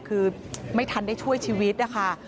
คือไม่ทันได้ช่วยชีวิตนะคะ